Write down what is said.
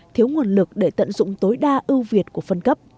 thiếu nguồn lực để tận dụng tối đa ưu việt của phân cấp